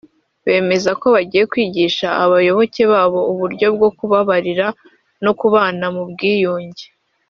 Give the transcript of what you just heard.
bemeza ko bagiye kwigisha abayoboke babo uburyo bwo kubabarira no kubana mu bwiyunge